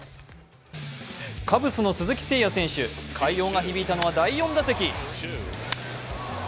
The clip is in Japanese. カブスの鈴木誠也選手、快音が響いたのは第４打席。